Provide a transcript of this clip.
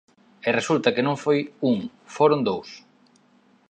E resulta que non foi un, foron dous.